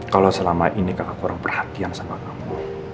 kalau selama ini kamu kurang perhatian sama kamu